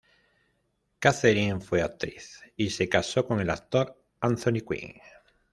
Katherine fue actriz y se casó con el actor Anthony Quinn.